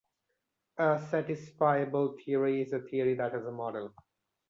A satisfiable theory is a theory that has a model.